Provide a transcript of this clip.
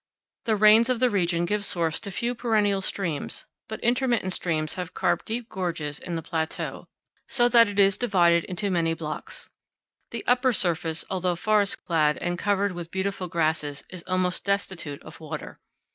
The rains of the region give source to few perennial streams, but intermittent streams have carved deep gorges in the plateau, so that it is divided into many blocks. The upper surface, although forest clad and covered with beautiful grasses, is almost destitute of water.